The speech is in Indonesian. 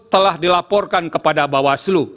telah dilaporkan kepada bawaslu